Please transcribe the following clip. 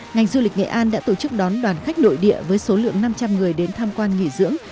ngành du lịch nghệ an đã tổ chức đón đoàn khách nội địa với số lượng năm trăm linh người đến tham quan nghỉ dưỡng